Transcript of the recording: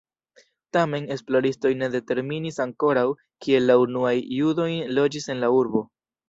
Tamen, esploristoj ne determinis ankoraŭ kie la unuajn judojn loĝis en la urbo.